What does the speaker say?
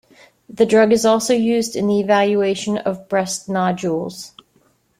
The drug is also used in the evaluation of breast nodules.